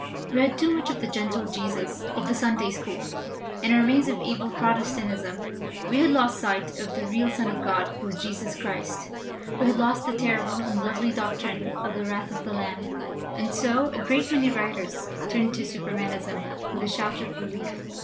"We had too much of the * gentle Jesus' of the Sunday school. In our maze of evil Protestant isms, we had lost sight of the real Son of God who is Jesus Christ. We had lost the terrible and lovely doctrine of the wrath of the Lamb. "And so a great many writers turned to Super manism with a shout of relief.